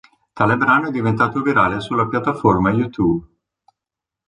Tale brano è diventato virale sulla piattaforma YouTube.